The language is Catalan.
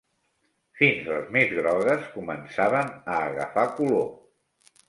Fins les més grogues començaven a agafar color